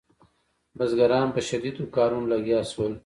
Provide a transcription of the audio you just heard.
بزګران په شدیدو کارونو لګیا شول.